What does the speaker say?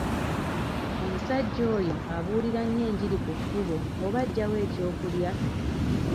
Omusajja oyo abuulira nnyo enjiri ku kkubo oba aggya wa eky'okulya?